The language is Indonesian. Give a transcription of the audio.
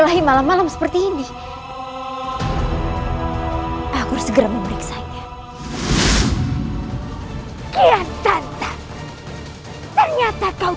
janganlah kau menjengkelkan diriku